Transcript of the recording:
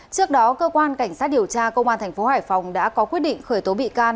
trước đó cơ quan cảnh sát điều tra công an tp hải phòng đã có quyết định khởi tố bị can